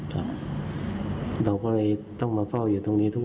เราก็เลยต้องมาเฝ้าอยู่ตรงนี้ทุกวัน